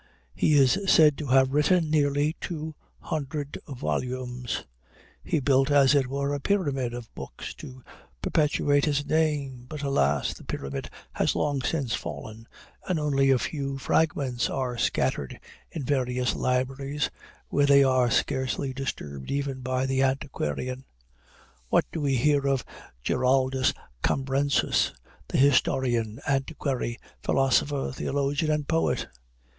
He is said to have written nearly two hundred volumes. He built, as it were, a pyramid of books to perpetuate his name: but, alas! the pyramid has long since fallen, and only a few fragments are scattered in various libraries, where they are scarcely disturbed even by the antiquarian. What do we hear of Giraldus Cambrensis, the historian, antiquary, philosopher, theologian, and poet?